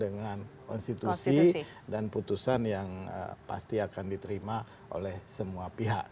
dengan konstitusi dan putusan yang pasti akan diterima oleh semua pihak